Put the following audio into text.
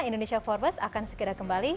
indonesia forward akan segera kembali